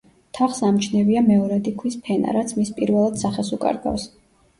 თაღს ამჩნევია მეორადი ქვის ფენა, რაც მის პირველად სახეს უკარგავს.